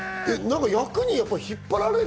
役に引っ張られる？